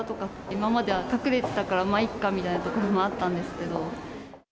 今までは隠れてたから、まあいっかみたいなところもあったんですけど。